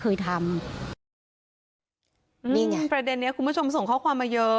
เคยทำนี่ไงประเด็นนี้คุณผู้ชมส่งข้อความมาเยอะ